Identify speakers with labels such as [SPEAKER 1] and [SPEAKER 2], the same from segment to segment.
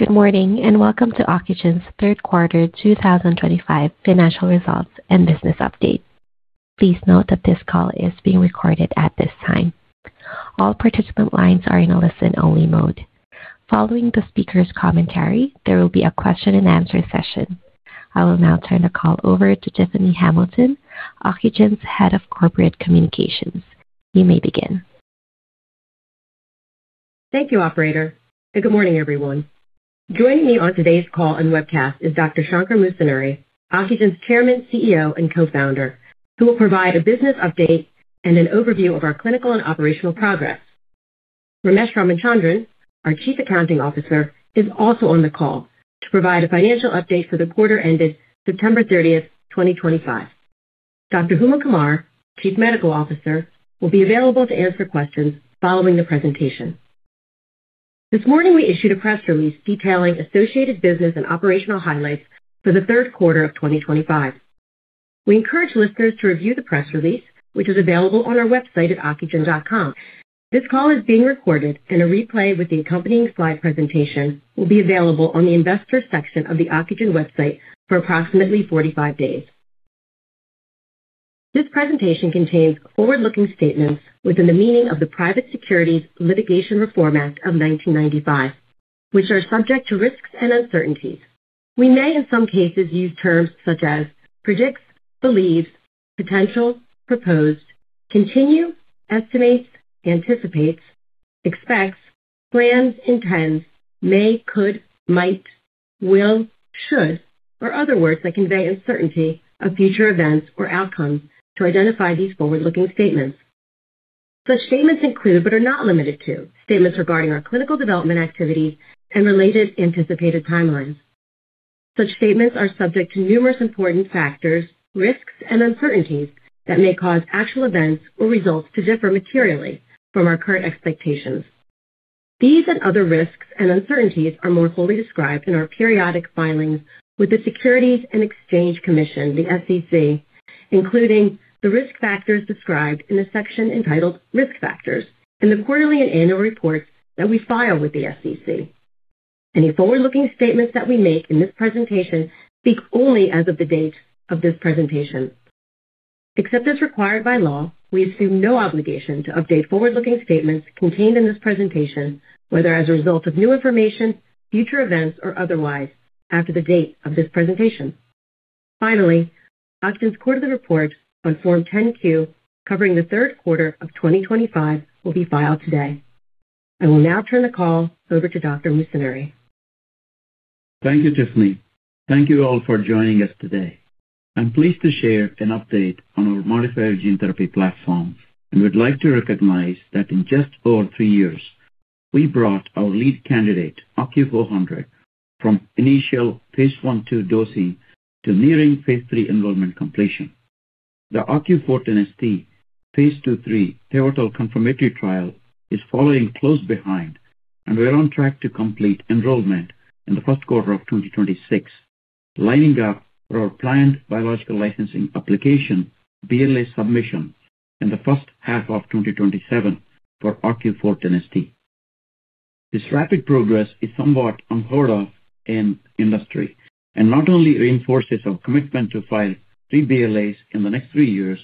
[SPEAKER 1] Good morning and welcome to Ocugen's Third Quarter 2025 Financial Results and Business Update. Please note that this call is being recorded at this time. All participant lines are in a listen-only mode. Following the speaker's commentary, there will be a question-and-answer session. I will now turn the call over to Tiffany Hamilton, Ocugen's Head of Corporate Communications. You may begin.
[SPEAKER 2] Thank you, operator. Good morning, everyone. Joining me on today's call and webcast is Dr. Shankar Musunuri, Ocugen's Chairman, CEO, and Co-Founder, who will provide a business update and an overview of our clinical and operational progress. Ramesh Ramachandran, our Chief Accounting Officer, is also on the call to provide a financial update for the quarter ended September 30, 2025. Dr. Huma Qamar, Chief Medical Officer, will be available to answer questions following the presentation. This morning, we issued a press release detailing associated business and operational highlights for the third quarter of 2025. We encourage listeners to review the press release, which is available on our website at ocugen.com. This call is being recorded, and a replay with the accompanying slide presentation will be available on the Investor section of the Ocugen website for approximately 45 days. This presentation contains forward-looking statements within the meaning of the Private Securities Litigation Reform Act of 1995, which are subject to risks and uncertainties. We may, in some cases, use terms such as predicts, believes, potential, proposed, continue, estimates, anticipates, expects, plans, intends, may, could, might, will, should, or other words that convey uncertainty of future events or outcomes to identify these forward-looking statements. Such statements include, but are not limited to, statements regarding our clinical development activities and related anticipated timelines. Such statements are subject to numerous important factors, risks, and uncertainties that may cause actual events or results to differ materially from our current expectations. These and other risks and uncertainties are more fully described in our periodic filings with the Securities and Exchange Commission, the SEC, including the risk factors described in the section entitled Risk Factors in the quarterly and annual reports that we file with the SEC. Any forward-looking statements that we make in this presentation speak only as of the date of this presentation. Except as required by law, we assume no obligation to update forward-looking statements contained in this presentation, whether as a result of new information, future events, or otherwise, after the date of this presentation. Finally, Ocugen's quarterly report on Form 10-Q covering the third quarter of 2025 will be filed today. I will now turn the call over to Dr. Musunuri.
[SPEAKER 3] Thank you, Tiffany. Thank you all for joining us today. I'm pleased to share an update on our modified gene therapy platform, and we'd like to recognize that in just over three years, we brought our lead candidate, OCU400, from initial Phase 1/2 dosing to nearing Phase 3 enrollment completion. The OCU410ST Phase 2/3 pivotal confirmatory trial is following close behind, and we're on track to complete enrollment in the first quarter of 2026, lining up for our planned biological licensing application, BLA submission, in the first half of 2027 for OCU410ST. This rapid progress is somewhat unheard of in industry and not only reinforces our commitment to file three BLAs in the next three years,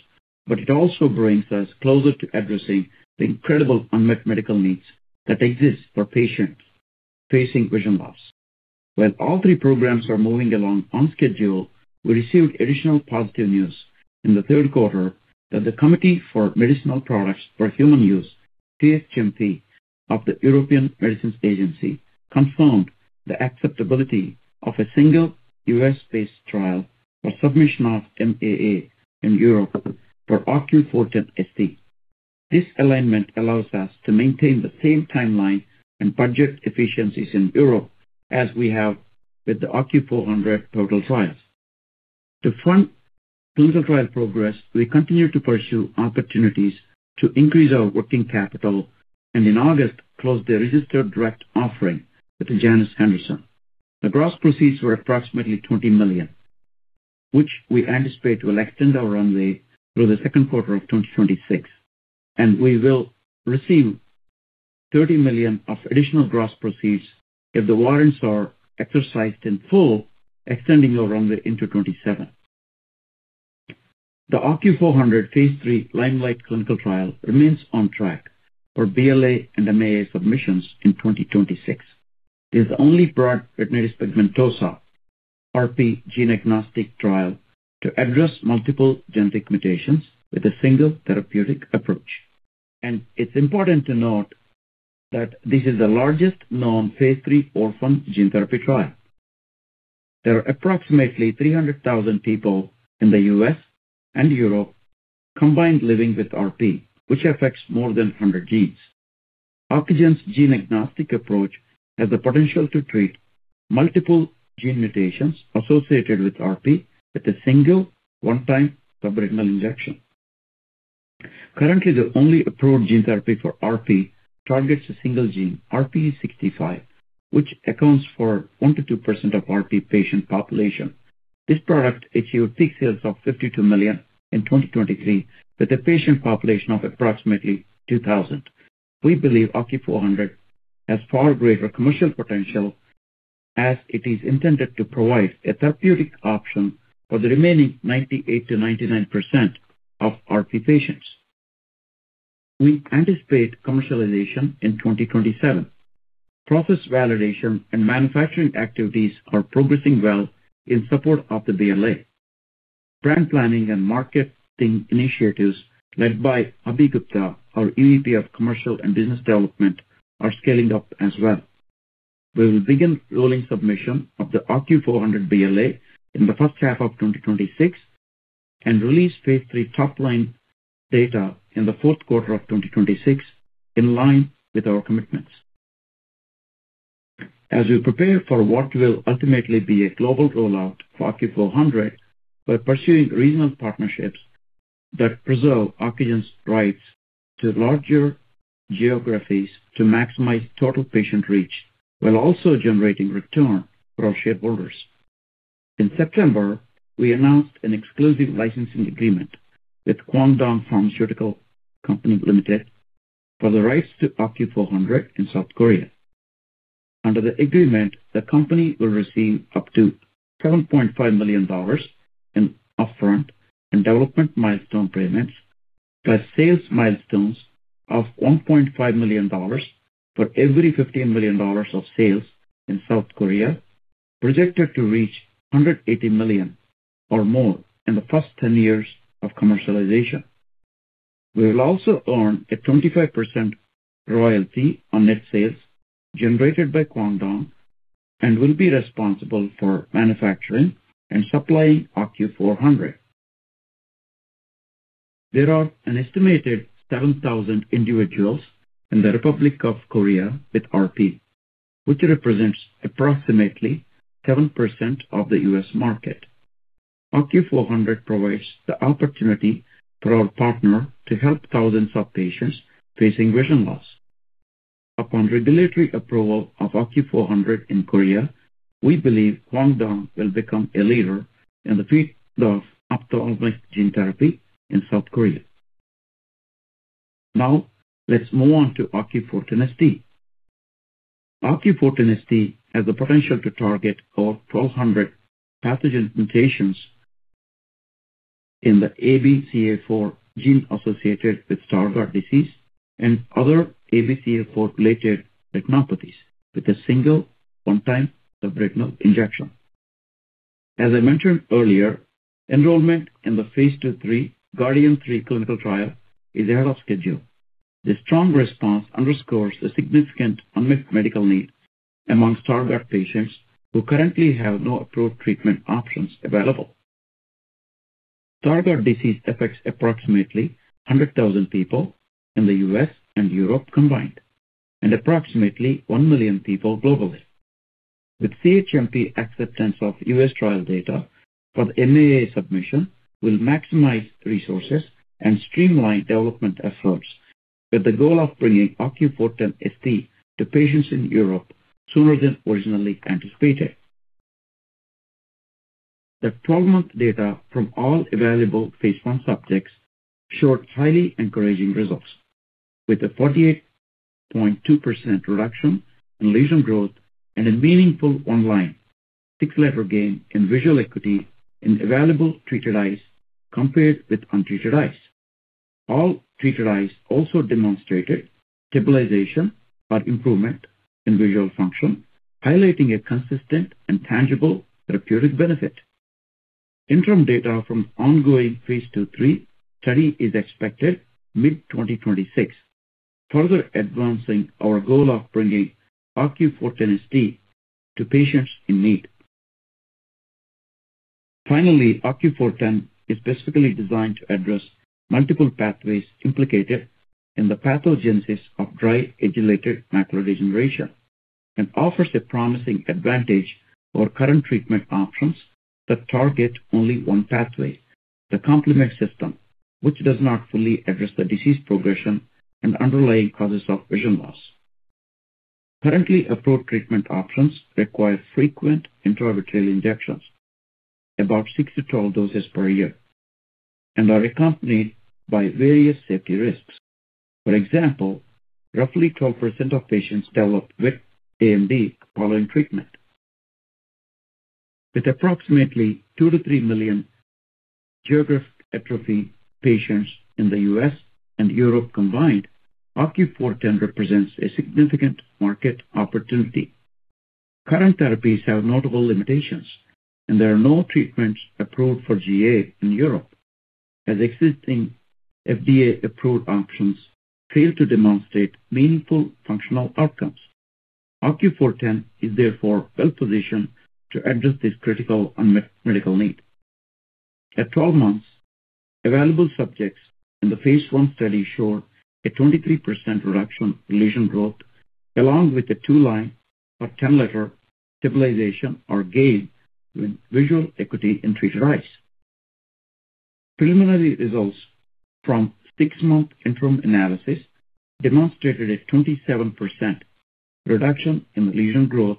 [SPEAKER 3] but it also brings us closer to addressing the incredible unmet medical needs that exist for patients facing vision loss. While all three programs are moving along on schedule, we received additional positive news in the third quarter that the Committee for Medicinal Products for Human Use, CHMP, of the European Medicines Agency confirmed the acceptability of a single U.S.-based trial for submission of MAA in Europe for OCU410ST. This alignment allows us to maintain the same timeline and budget efficiencies in Europe as we have with the OCU400 total trials. To fund clinical trial progress, we continue to pursue opportunities to increase our working capital and, in August, closed the registered direct offering with Janus Henderson. The gross proceeds were approximately $20 million, which we anticipate will extend our runway through the second quarter of 2026, and we will receive $30 million of additional gross proceeds if the warrants are exercised in full, extending our runway into 2027. OCU400 Phase 3 liMeliGhT clinical trial remains on track for BLA and MAA submissions in 2026. It has the only broad retinitis pigmentosa, RP gene-agnostic trial to address multiple genetic mutations with a single therapeutic approach. It is important to note that this is the largest known Phase 3 orphan gene therapy trial. There are approximately 300,000 people in the U.S. and Europe combined living with RP, which affects more than 100 genes. Ocugen's gene-agnostic approach has the potential to treat multiple gene mutations associated with RP with a single one-time subretinal injection. Currently, the only approved gene therapy for RP targets a single gene, RPE65, which accounts for 1%-2% of the RP patient population. This product achieved peak sales of $52 million in 2023 with a patient population of approximately 2,000. We believe OCU400 has far greater commercial potential. As it is intended to provide a therapeutic option for the remaining 98%-99% of RP patients. We anticipate commercialization in 2027. Process validation and manufacturing activities are progressing well in support of the BLA. Brand planning and marketing initiatives led by Abhi Gupta, our EVP of Commercial and Business Development, are scaling up as well. We will begin rolling submission of the OCU400 BLA in the first half of 2026. We will release Phase 3 top-line data in the fourth quarter of 2026 in line with our commitments. As we prepare for what will ultimately be a global rollout for OCU400, we are pursuing regional partnerships that preserve Ocugen's rights to larger geographies to maximize total patient reach while also generating return for our shareholders. In September, we announced an exclusive licensing agreement with Kwangdong Pharmaceutical Company Limited for the rights to OCU400 in South Korea. Under the agreement, the company will receive up to $7.5 million in upfront and development milestone payments plus sales milestones of $1.5 million for every $15 million of sales in South Korea, projected to reach $180 million or more in the first 10 years of commercialization. We will also earn a 25% royalty on net sales generated by Kwangdong and will be responsible for manufacturing and supplying OCU400. There are an estimated 7,000 individuals in the Republic of Korea with RP, which represents approximately 7% of the U.S. market. OCU400 provides the opportunity for our partner to help thousands of patients facing vision loss. Upon regulatory approval of OCU400 in Korea, we believe Kwangdong will become a leader in the field of ophthalmic gene therapy in South Korea. Now, let's move on to OCU410ST. OCU410ST has the potential to target over 1,200 pathogenic mutations in the ABCA4 gene associated with Stargardt disease and other ABCA4-related retinopathies with a single one-time subretinal injection. As I mentioned earlier, enrollment in the Phase 2/3 GARDian3 clinical trial is ahead of schedule. The strong response underscores the significant unmet medical needs among Stargardt patients who currently have no approved treatment options available. Stargardt disease affects approximately 100,000 people in the U.S. and Europe combined and approximately 1 million people globally. With CHMP acceptance of U.S. trial data for the MAA submission, we'll maximize resources and streamline development efforts with the goal of bringing OCU410ST to patients in Europe sooner than originally anticipated. The 12-month data from all available phase one subjects showed highly encouraging results, with a 48.2% reduction in lesion growth and a meaningful one-line six-letter gain in visual acuity in available treated eyes compared with untreated eyes. All treated eyes also demonstrated stabilization or improvement in visual function, highlighting a consistent and tangible therapeutic benefit. Interim data from ongoing Phase 2/3 study is expected mid-2026, further advancing our goal of bringing OCU410ST to patients in need. Finally, OCU410 is specifically designed to address multiple pathways implicated in the pathogenesis of dry age-related macular degeneration and offers a promising advantage for current treatment options that target only one pathway, the complement system, which does not fully address the disease progression and underlying causes of vision loss. Currently approved treatment options require frequent intra-arterial injections, about 6-12 doses per year, and are accompanied by various safety risks. For example, roughly 12% of patients develop wet AMD following treatment. With approximately 2 million-3 million geographic atrophy patients in the U.S. and Europe combined, OCU410 represents a significant market opportunity. Current therapies have notable limitations, and there are no treatments approved for GA in Europe, as existing FDA-approved options fail to demonstrate meaningful functional outcomes. OCU410 is therefore well-positioned to address this critical unmet medical need. At 12 months, available subjects in the Phase 1 study showed a 23% reduction in lesion growth, along with a two-line or 10-letter stabilization or gain in visual acuity in treated eyes. Preliminary results from six-month interim analysis demonstrated a 27% reduction in lesion growth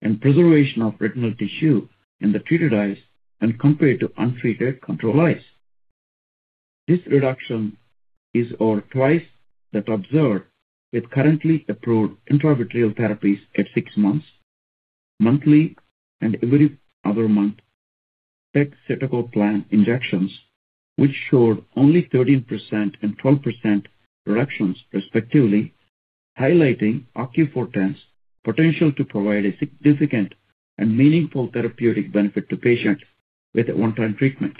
[SPEAKER 3] and preservation of retinal tissue in the treated eyes when compared to untreated control eyes. This reduction is over twice that observed with currently approved intra-arterial therapies at six months, monthly, and every other month. PEG cetacoplan injections, which showed only 13% and 12% reductions respectively, highlighting OCU410's potential to provide a significant and meaningful therapeutic benefit to patients with one-time treatment.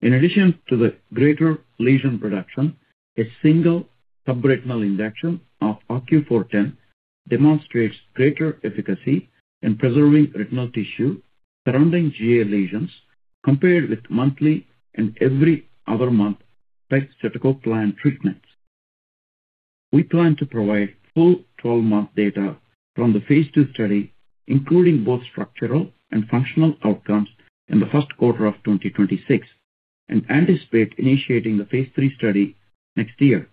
[SPEAKER 3] In addition to the greater lesion reduction, a single subretinal injection of OCU410 demonstrates greater efficacy in preserving retinal tissue surrounding GA lesions compared with monthly and every other month PEG cetacoplan treatments. We plan to provide full 12-month data from the Phase 2 study, including both structural and functional outcomes in the first quarter of 2026, and anticipate initiating the Phase 3 study next year.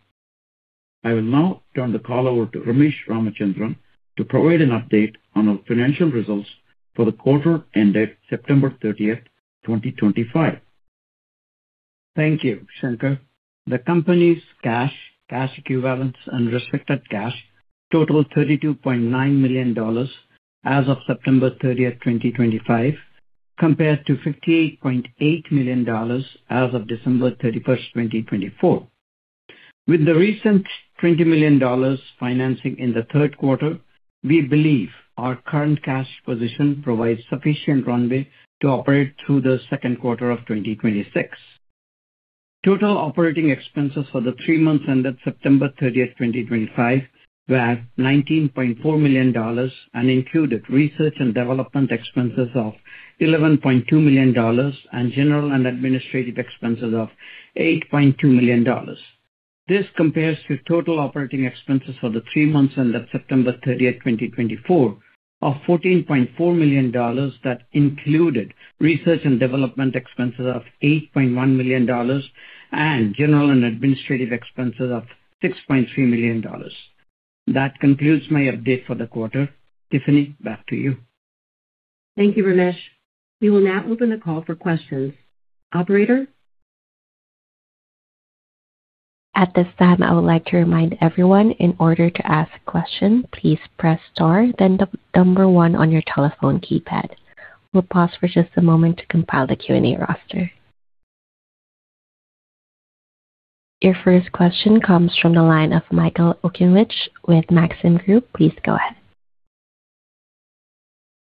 [SPEAKER 3] I will now turn the call over to Ramesh Ramachandran to provide an update on our financial results for the quarter ended September 30th, 2025.
[SPEAKER 4] Thank you, Shankar. The company's cash, cash equivalents, and restricted cash totaled $32.9 million as of September 30th, 2025, compared to $58.8 million as of December 31st, 2024. With the recent $20 million financing in the third quarter, we believe our current cash position provides sufficient runway to operate through the second quarter of 2026. Total operating expenses for the three months ended September 30th, 2025, were $19.4 million and included research and development expenses of $11.2 million and general and administrative expenses of $8.2 million. This compares to total operating expenses for the three months ended September 30th, 2024, of $14.4 million that included research and development expenses of $8.1 million and general and administrative expenses of $6.3 million. That concludes my update for the quarter. Tiffany, back to you.
[SPEAKER 2] Thank you, Ramesh. We will now open the call for questions. Operator?
[SPEAKER 1] At this time, I would like to remind everyone, in order to ask a question, please press star, then the number one on your telephone keypad. We'll pause for just a moment to compile the Q&A roster. Your first question comes from the line of Michael Okunewitch with Maxim Group. Please go ahead.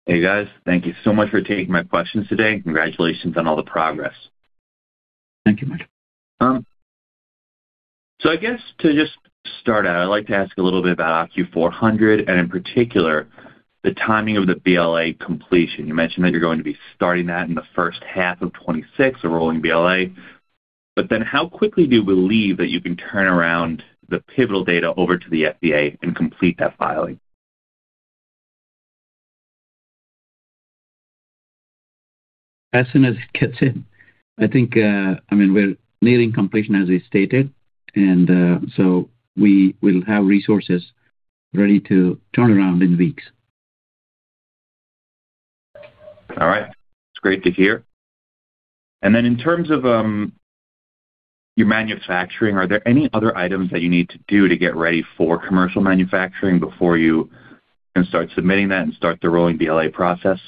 [SPEAKER 5] Hey, guys. Thank you so much for taking my questions today. Congratulations on all the progress.
[SPEAKER 3] Thank you, Michael.
[SPEAKER 5] I guess to just start out, I'd like to ask a little bit about OCU400 and, in particular, the timing of the BLA completion. You mentioned that you're going to be starting that in the first half of 2026, the rolling BLA. Then how quickly do you believe that you can turn around the pivotal data over to the FDA and complete that filing?
[SPEAKER 3] As soon as it cuts in. I think, I mean, we're nearing completion, as we stated. We will have resources ready to turn around in weeks.
[SPEAKER 5] All right. That's great to hear. In terms of your manufacturing, are there any other items that you need to do to get ready for commercial manufacturing before you can start submitting that and start the rolling BLA process?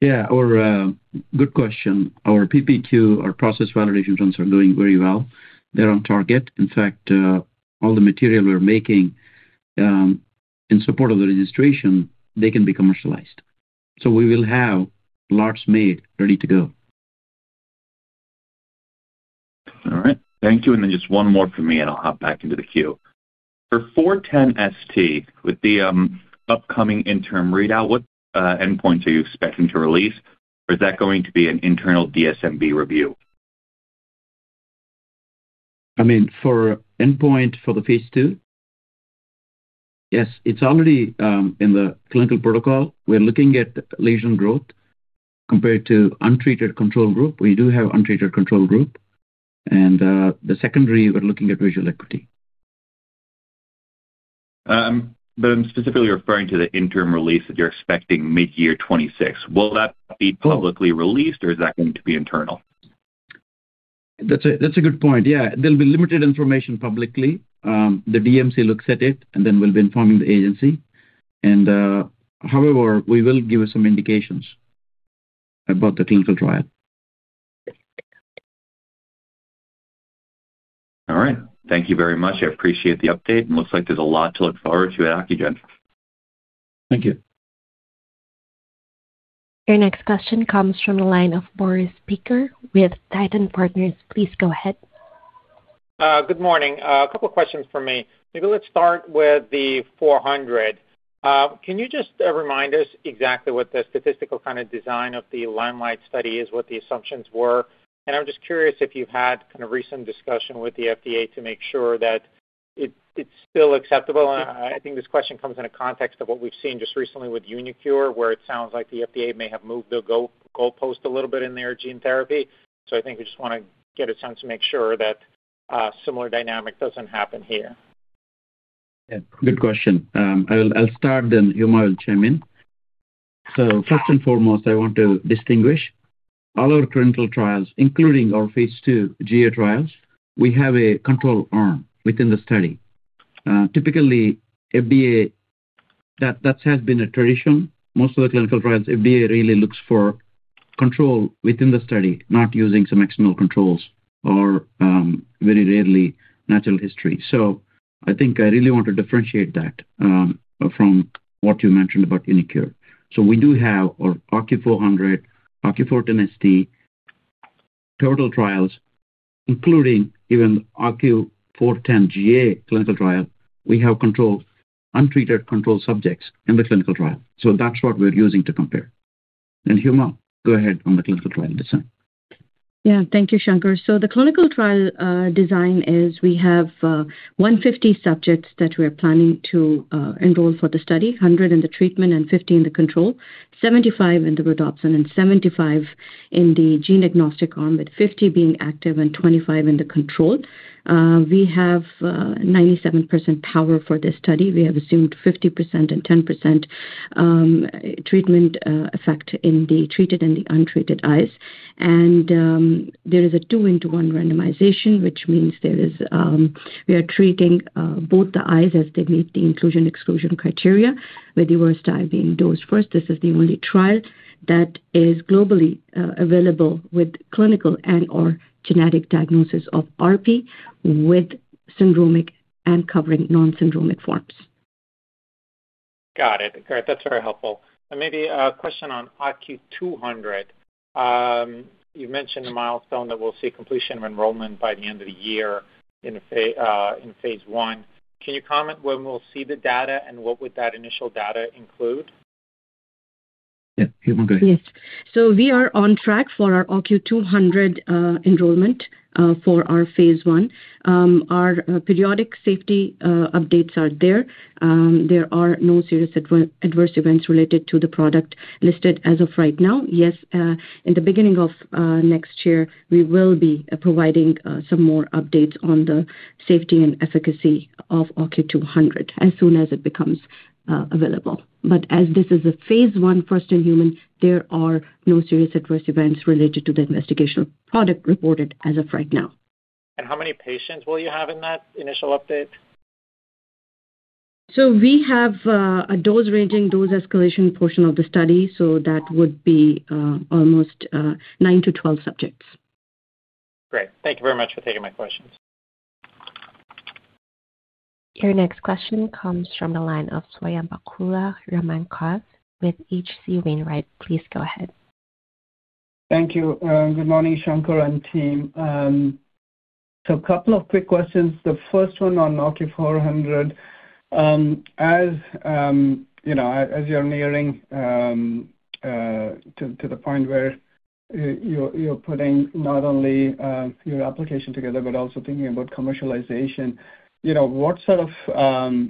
[SPEAKER 3] Yeah. Good question. Our PPQ, our process validation runs are going very well. They're on target. In fact, all the material we're making in support of the registration, they can be commercialized. So we will have lots made ready to go.
[SPEAKER 5] All right. Thank you. And then just one more from me, and I'll hop back into the queue. For 410ST, with the upcoming interim readout, what endpoints are you expecting to release? Or is that going to be an internal DSMB review?
[SPEAKER 3] I mean, for endpoint for the Phase 2? Yes. It's already in the clinical protocol. We're looking at lesion growth compared to untreated control group. We do have untreated control group. The secondary, we're looking at visual acuity.
[SPEAKER 5] I'm specifically referring to the interim release that you're expecting mid-year 2026. Will that be publicly released, or is that going to be internal?
[SPEAKER 3] That's a good point. Yeah. There'll be limited information publicly. The DMC looks at it, and then we'll be informing the agency. However, we will give you some indications about the clinical trial.
[SPEAKER 5] All right. Thank you very much. I appreciate the update. It looks like there's a lot to look forward to at Ocugen.
[SPEAKER 3] Thank you.
[SPEAKER 1] Your next question comes from the line of Boris Peaker with Titan Partners. Please go ahead.
[SPEAKER 6] Good morning. A couple of questions for me. Maybe let's start with the 400. Can you just remind us exactly what the statistical kind of design of the liMeLiGhT study is, what the assumptions were? I'm just curious if you've had kind of recent discussion with the FDA to make sure that it's still acceptable. I think this question comes in a context of what we've seen just recently with uniQure, where it sounds like the FDA may have moved the goalpost a little bit in their gene therapy. I think we just want to get a sense to make sure that a similar dynamic doesn't happen here.
[SPEAKER 3] Yeah. Good question. I'll start, then Huma will chime in. First and foremost, I want to distinguish all our clinical trials, including our Phase 2 GA trials. We have a control arm within the study. Typically, FDA, that has been a tradition. Most of the clinical trials, FDA really looks for control within the study, not using some external controls or very rarely natural history. I think I really want to differentiate that from what you mentioned about uniQure. We do have our OCU400, OCU410ST. Total trials, including even the OCU410 GA clinical trial, we have untreated control subjects in the clinical trial. That is what we are using to compare. Huma, go ahead on the clinical trial design.
[SPEAKER 7] Yeah. Thank you, Shankar. The clinical trial design is we have 150 subjects that we are planning to enroll for the study, 100 in the treatment and 50 in the control, 75 in the rhodopsin, and 75 in the gene-agnostic arm, with 50 being active and 25 in the control. We have 97% power for this study. We have assumed 50% and 10% treatment effect in the treated and the untreated eyes. There is a two-in-one randomization, which means there is. We are treating both the eyes as they meet the inclusion-exclusion criteria, with the worst eye being dosed first. This is the only trial that is globally available with clinical and/or genetic diagnosis of RP with syndromic and covering non-syndromic forms.
[SPEAKER 6] Got it. That's very helpful. Maybe a question on OCU200. You mentioned a milestone that we'll see completion of enrollment by the end of the year in Phase 1. Can you comment when we'll see the data and what would that initial data include?
[SPEAKER 3] Yeah. You're good.
[SPEAKER 7] Yes. We are on track for our OCU200 enrollment for our Phase 1. Our periodic safety updates are there. There are no serious adverse events related to the product listed as of right now. Yes, in the beginning of next year, we will be providing some more updates on the safety and efficacy of OCU200 as soon as it becomes available. As this is a Phase 1, first in human, there are no serious adverse events related to the investigational product reported as of right now.
[SPEAKER 6] How many patients will you have in that initial update?
[SPEAKER 7] We have a dose-ranging, dose-escalation portion of the study. That would be almost 9-12 subjects.
[SPEAKER 6] Great. Thank you very much for taking my questions.
[SPEAKER 1] Your next question comes from the line of Swayampakula Ramakanth with H.C. Wainwright. Please go ahead.
[SPEAKER 8] Thank you. Good morning, Shankar and team. A couple of quick questions. The first one on OCU400. As you're nearing to the point where. You're putting not only your application together but also thinking about commercialization, what sort of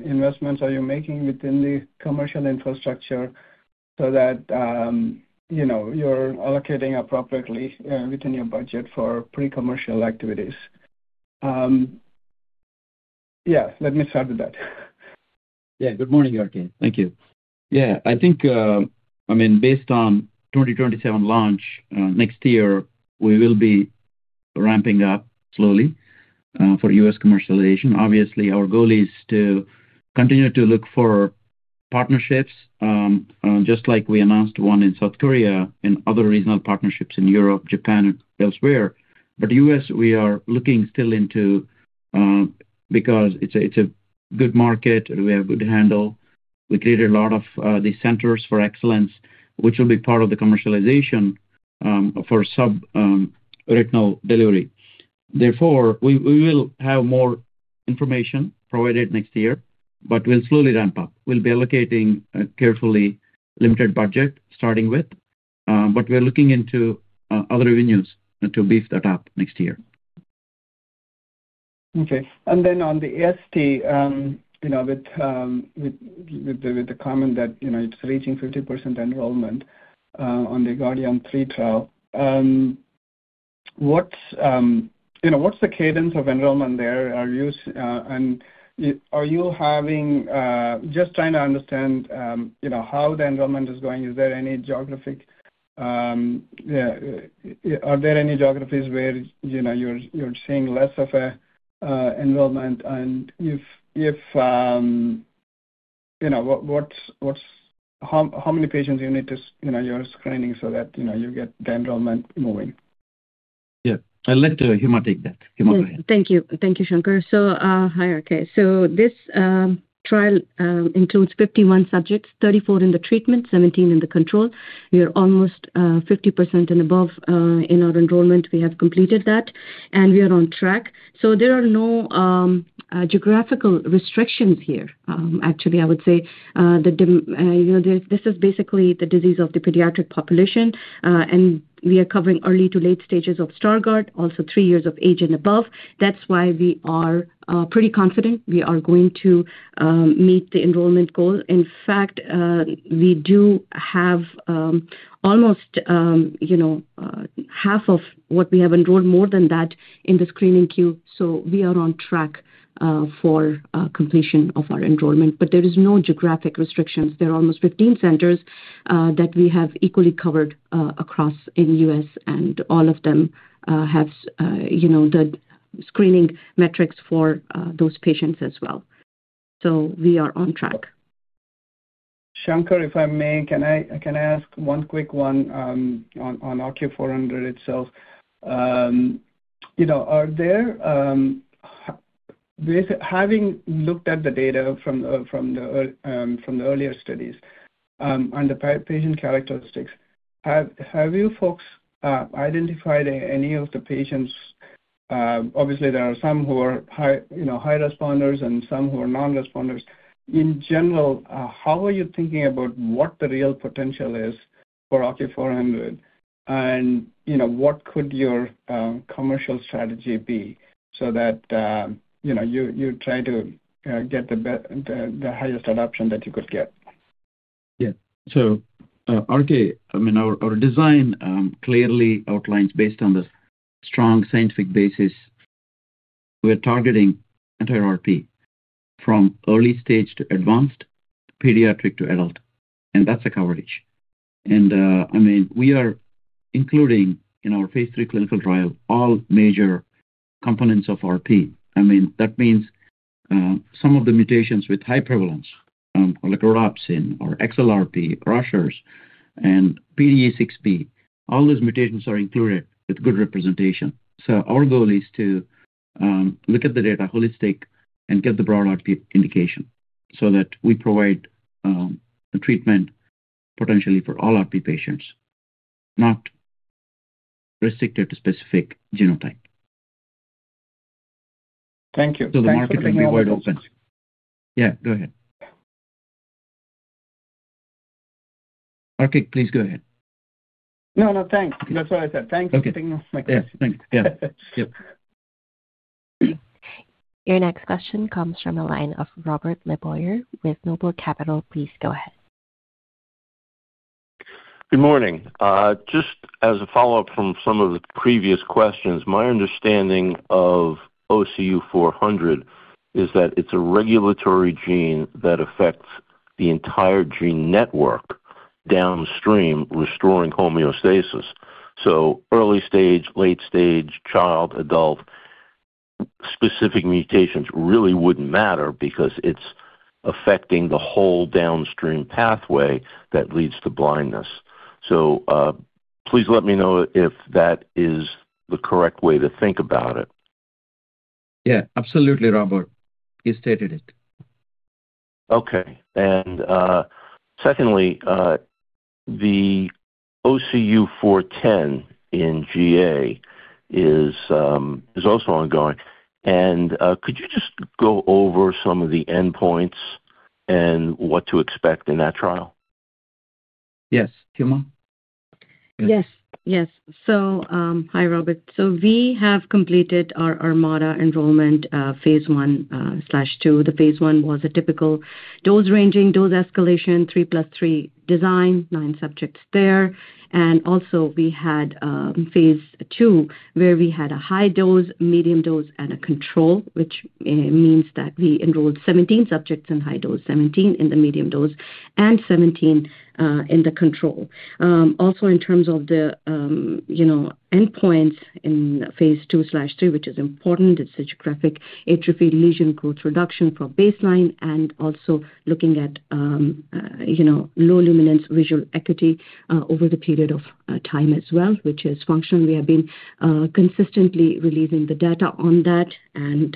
[SPEAKER 8] investments are you making within the commercial infrastructure so that you're allocating appropriately within your budget for pre-commercial activities? Yeah. Let me start with that.
[SPEAKER 3] Yeah. Good morning, RK. Thank you. Yeah. I mean, based on 2027 launch, next year, we will be ramping up slowly for U.S. commercialization. Obviously, our goal is to continue to look for partnerships. Just like we announced one in South Korea and other regional partnerships in Europe, Japan, and elsewhere. U.S., we are looking still into because it's a good market and we have good handle. We created a lot of these centers for excellence, which will be part of the commercialization for subretinal delivery. Therefore, we will have more information provided next year, but we'll slowly ramp up. We'll be allocating carefully limited budget starting with. We're looking into other venues to beef that up next year.
[SPEAKER 8] Okay. On the ST, with the comment that it's reaching 50% enrollment on the GARDian3 trial, what's the cadence of enrollment there? Are you having, just trying to understand how the enrollment is going. Are there any geographies where you're seeing less of an enrollment? If so, how many patients you need to, you're screening so that you get the enrollment moving?
[SPEAKER 3] Yeah. I'll let Uma take that. Huma, go ahead.
[SPEAKER 7] Thank you. Thank you, Shankar. Okay. This trial includes 51 subjects, 34 in the treatment, 17 in the control. We are almost 50% and above in our enrollment. We have completed that, and we are on track. There are no geographical restrictions here. Actually, I would say. This is basically the disease of the pediatric population, and we are covering early to late stages of Stargardt, also three years of age and above. That's why we are pretty confident we are going to meet the enrollment goal. In fact, we do have almost half of what we have enrolled, more than that, in the screening queue. We are on track for completion of our enrollment. There are no geographic restrictions. There are almost 15 centers that we have equally covered across in the U.S., and all of them have the screening metrics for those patients as well. We are on track.
[SPEAKER 8] Shankar, if I may, can I ask one quick one on OCU400 itself? Having looked at the data from the earlier studies, on the patient characteristics, have you folks identified any of the patients? Obviously, there are some who are high responders and some who are non-responders. In general, how are you thinking about what the real potential is for OCU400? And what could your commercial strategy be so that you try to get the highest adoption that you could get?
[SPEAKER 3] Yeah. So, RK, I mean, our design clearly outlines based on the strong scientific basis. We're targeting entire RP from early stage to advanced, pediatric to adult. And that's the coverage. I mean, we are including in our Phase 3 clinical trial all major components of RP. That means some of the mutations with high prevalence, like rhodopsin or XLRP, RUSHERS, and PDE6B. All those mutations are included with good representation. Our goal is to look at the data holistic and get the broad RP indication so that we provide treatment potentially for all RP patients, not. Restricted to specific genotype.
[SPEAKER 8] Thank you.
[SPEAKER 3] The market will be wide open. Yeah. Go ahead. Okay. Please go ahead.
[SPEAKER 8] No, no. Thanks. That's what I said. Thanks for taking my question.
[SPEAKER 3] Yeah. Thanks. Yeah. Yep.
[SPEAKER 1] Your next question comes from the line of Robert LeBoyer with Noble Capital. Please go ahead.
[SPEAKER 9] Good morning. Just as a follow-up from some of the previous questions, my understanding of OCU400 is that it's a regulatory gene that affects the entire gene network, downstream restoring homeostasis. Early stage, late stage, child, adult, specific mutations really wouldn't matter because it's affecting the whole downstream pathway that leads to blindness. Please let me know if that is the correct way to think about it.
[SPEAKER 3] Yeah. Absolutely, Robert. You stated it.
[SPEAKER 9] Okay. Secondly, the OCU410 in GA is also ongoing. Could you just go over some of the endpoints and what to expect in that trial?
[SPEAKER 3] Yes. Huma?
[SPEAKER 7] Yes. Yes. Hi, Robert. We have completed our ArMaDa enrollment Phase 1/2. The Phase 1 was a typical dose-ranging, dose-escalation, 3+3 design, nine subjects there. Also, we had Phase 2 where we had a high dose, medium dose, and a control, which means that we enrolled 17 subjects in high dose, 17 in the medium dose, and 17 in the control. In terms of the endpoints in Phase 2/3, which is important, it is a geographic atrophy lesion growth reduction from baseline and also looking at low luminance visual acuity over the period of time as well, which is functional. We have been consistently releasing the data on that, and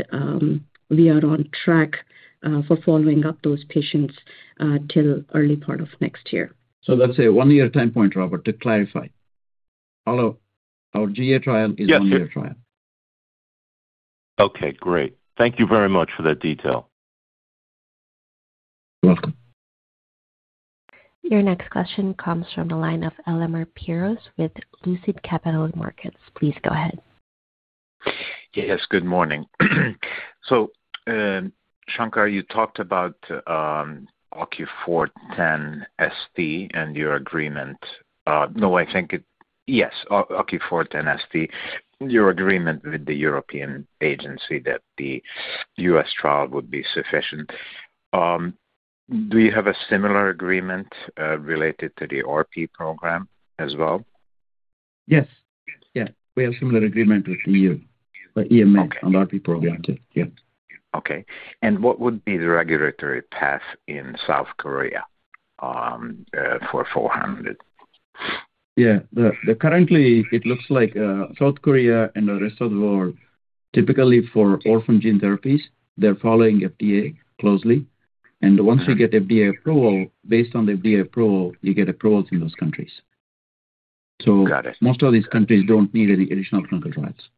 [SPEAKER 7] we are on track for following up those patients till early part of next year.
[SPEAKER 3] That's a one-year time point, Robert, to clarify. Our GA trial is a one-year trial.
[SPEAKER 9] Okay. Great. Thank you very much for that detail.
[SPEAKER 3] You're welcome.
[SPEAKER 1] Your next question comes from the line of Elemer Piros with Lucid Capital Markets. Please go ahead.
[SPEAKER 10] Yes. Good morning. Shankar, you talked about OCU410ST and your agreement. No, I think it, yes, OCU410ST, your agreement with the European agency that the U.S. trial would be sufficient. Do you have a similar agreement related to the RP program as well?
[SPEAKER 3] Yes. Yeah. We have a similar agreement with EMA on the RP program too. Yeah.
[SPEAKER 10] Okay. What would be the regulatory path in South Korea for 400?
[SPEAKER 3] Yeah. Currently, it looks like South Korea and the rest of the world, typically for orphan gene therapies, they're following FDA closely. Once you get FDA approval, based on the FDA approval, you get approvals in those countries. Most of these countries do not need any additional clinical trials.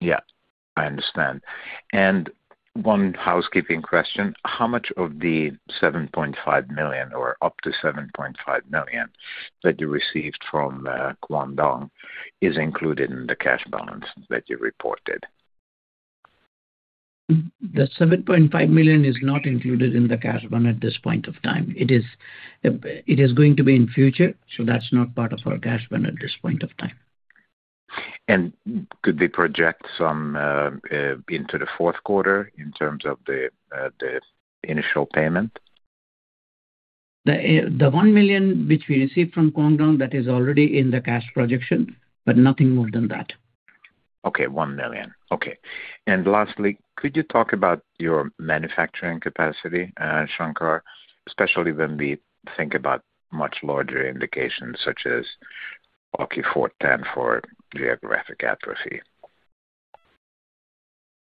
[SPEAKER 10] Yeah. I understand. One housekeeping question. How much of the $7.5 million or up to $7.5 million that you received from Kwangdong is included in the cash balance that you reported?
[SPEAKER 4] The $7.5 million is not included in the cash balance at this point of time. It is going to be in the future. That is not part of our cash balance at this point of time.
[SPEAKER 10] Could they project some into the fourth quarter in terms of the initial payment?
[SPEAKER 4] The $1 million which we received from Kwangdong, that is already in the cash projection, but nothing more than that.
[SPEAKER 10] Okay. $1 million. Okay. Lastly, could you talk about your manufacturing capacity, Shankar, especially when we think about much larger indications such as OCU410 for geographic atrophy?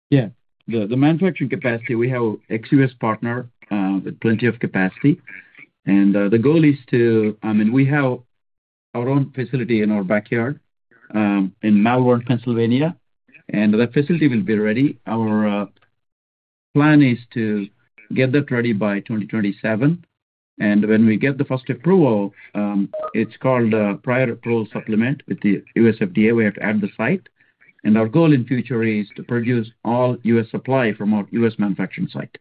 [SPEAKER 3] Yeah. The manufacturing capacity, we have an ex-U.S. partner with plenty of capacity. The goal is to, I mean, we have our own facility in our backyard in Malvern, Pennsylvania. That facility will be ready. Our plan is to get that ready by 2027. When we get the first approval, it's called a prior approval supplement with the U.S. FDA. We have to add the site. Our goal in the future is to produce all U.S. supply from our U.S. manufacturing site.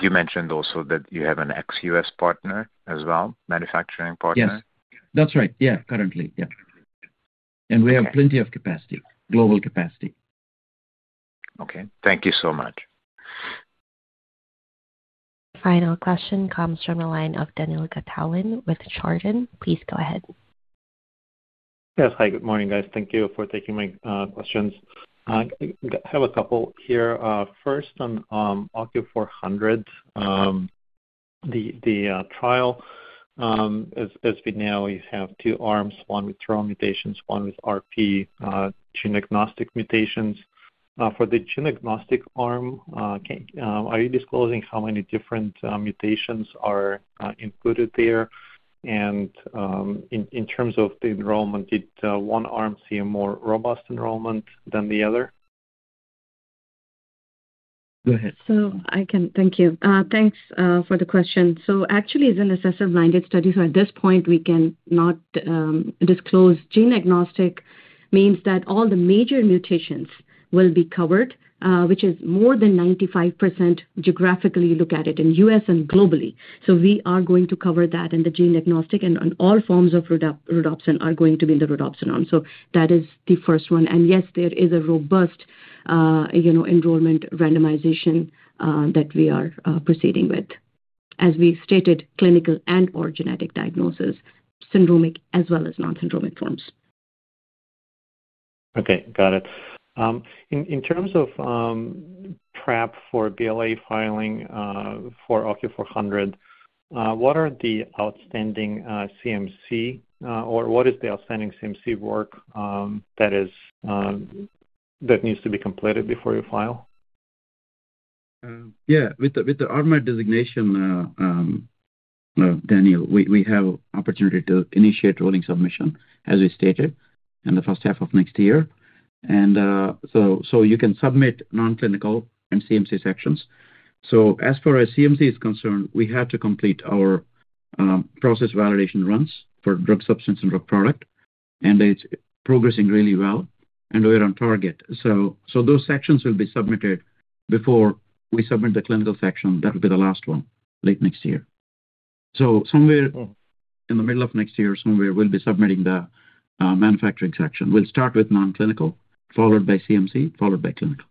[SPEAKER 10] You mentioned also that you have an ex-U.S. partner as well, manufacturing partner?
[SPEAKER 3] Yes. That's right. Yeah. Currently, yeah. We have plenty of capacity, global capacity.
[SPEAKER 10] Okay. Thank you so much.
[SPEAKER 1] Final question comes from the line of Daniil Gataulin with Chardan. Please go ahead.
[SPEAKER 11] Yes. Hi. Good morning, guys. Thank you for taking my questions. I have a couple here. First, on OCU400. The trial. As we know, you have two arms, one with RHO mutations, one with RP gene-agnostic mutations. For the gene-agnostic arm, are you disclosing how many different mutations are included there? In terms of the enrollment, did one arm see a more robust enrollment than the other?
[SPEAKER 3] Go ahead.
[SPEAKER 7] Thank you. Thanks for the question. Actually, it's an assessor-blinded study. At this point, we cannot disclose. Gene-agnostic means that all the major mutations will be covered, which is more than 95% geographically looked at in the U.S. and globally. We are going to cover that in the gene-agnostic, and all forms of rhodopsin are going to be in the rhodopsin arm. That is the first one. Yes, there is a robust enrollment randomization that we are proceeding with, as we stated, clinical and/or genetic diagnosis, syndromic as well as non-syndromic forms.
[SPEAKER 11] Okay. Got it. In terms of prep for BLA filing for OCU400, what are the outstanding CMC, or what is the outstanding CMC work that needs to be completed before you file?
[SPEAKER 3] Yeah. With the RMAT designation. Daniil, we have an opportunity to initiate rolling submission, as we stated, in the first half of next year. You can submit non-clinical and CMC sections. As far as CMC is concerned, we have to complete our process validation runs for drug substance and drug product. It is progressing really well. We're on target. Those sections will be submitted before we submit the clinical section. That will be the last one late next year. Somewhere in the middle of next year, we'll be submitting the manufacturing section. We'll start with non-clinical, followed by CMC, followed by clinical.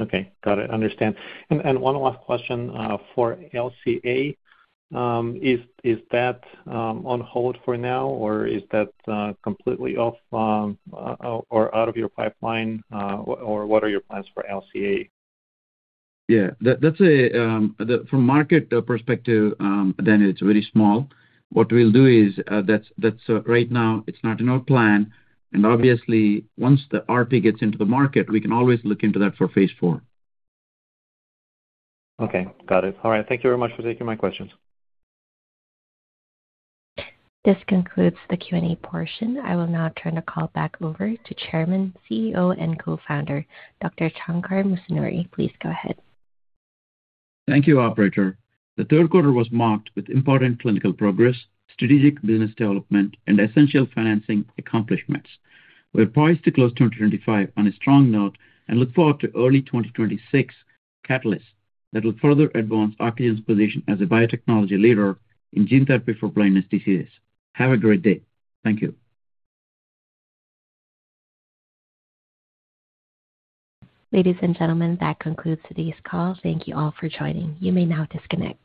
[SPEAKER 11] Okay. Got it. Understand. One last question for LCA. Is that on hold for now, or is that completely off or out of your pipeline, or what are your plans for LCA?
[SPEAKER 3] Yeah. From a market perspective, it's very small. What we'll do is, right now, it's not in our plan. Obviously, once the RP gets into the market, we can always look into that for Phase 4.
[SPEAKER 11] Okay. Got it. All right. Thank you very much for taking my questions.
[SPEAKER 1] This concludes the Q&A portion. I will now turn the call back over to Chairman, CEO, and Co-Founder, Dr. Shankar Musunuri. Please go ahead.
[SPEAKER 3] Thank you, Operator. The third quarter was marked with important clinical progress, strategic business development, and essential financing accomplishments. We're poised to close 2025 on a strong note and look forward to early 2026 catalysts that will further advance Ocugen's position as a biotechnology leader in gene therapy for blindness diseases. Have a great day. Thank you.
[SPEAKER 1] Ladies and gentlemen, that concludes today's call. Thank you all for joining. You may now disconnect.